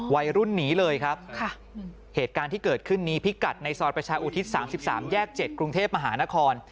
วัยรุ่นหนีเลยครับเหตุการณ์ที่เกิดขึ้นนี้พิกัดในซอยประชาอุทิศ๓๓แยก๗กรุงเทพมหานคร